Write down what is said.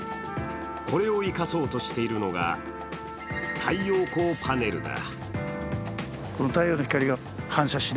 これを生かそうとしているのが太陽光パネルだ。